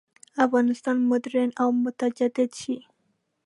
افغانستان مډرن او متجدد شي.